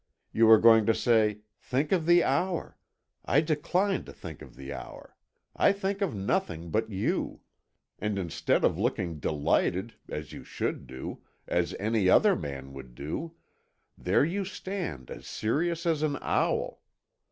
You are going to say, Think of the hour! I decline to think of the hour. I think of nothing but you. And instead of looking delighted, as you should do, as any other man would do, there you stand as serious as an owl.